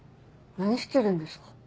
何してるんですか？